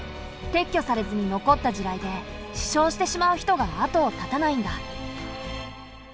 撤去されずに残った地雷で死傷してしまう人が後を絶たないんだ。